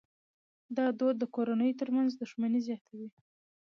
دا دود د کورنیو ترمنځ دښمني زیاتوي.